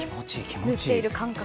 塗っている感覚。